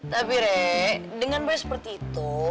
tapi re dengan gue seperti itu